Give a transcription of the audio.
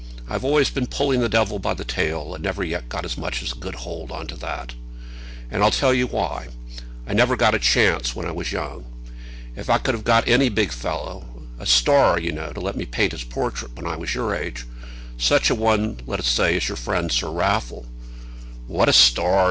I've always been pulling the devil by the tail, and never yet got as much as a good hold on to that. And I'll tell you why; I never got a chance when I was young. If I could have got any big fellow, a star, you know, to let me paint his portrait when I was your age, such a one, let us say, as your friend Sir Raffle " "What a star!"